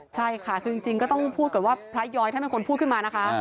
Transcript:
ใช่ค่ะคือจริงก็ต้องพูดก่อนว่าพระย้อยท่านเป็นคนพูดขึ้นมานะคะ